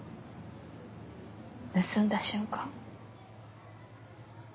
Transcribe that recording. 盗んだ瞬間